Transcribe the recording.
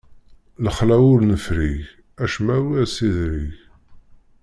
Lexla ur nefrig, acemma ur as-idrig.